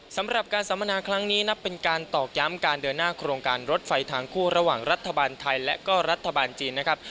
สำหรับการสัมมนาครั้งนี้นับเป็นการตอกย้ำการเดินหน้าโครงการรถไฟทางคู่ระหว่างรัฐบาลไทยและก็รัฐบาลจีนนะครับ